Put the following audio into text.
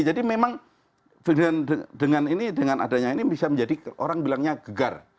jadi memang dengan ini dengan adanya ini bisa menjadi orang bilangnya gegar